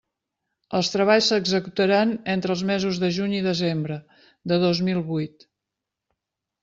Els treballs s'executaran entre els mesos de juny i desembre de dos mil vuit.